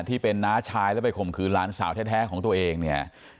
ที่เป็นน้าชายแล้วไปข่มขืนหลานสาวแท้ของตัวเองเนี่ย